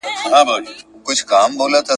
حساب ښه دی پر قوت د دښمنانو ,